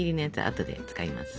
あとで使います。